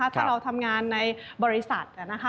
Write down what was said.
ถ้าเราทำงานในบริษัท